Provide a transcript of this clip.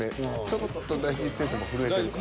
ちょっと大吉先生も震えてるか？